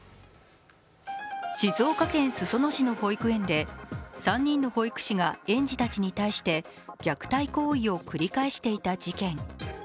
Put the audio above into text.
静岡県裾野市の保育園で３人の保育士が園児たちに対して虐待行為を繰り返していた事件。